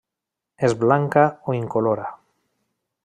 És blanca o incolora.